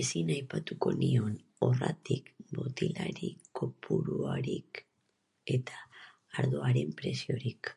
Ezin aipatuko nion, horratik, botila-kopururik eta ardoaren preziorik!.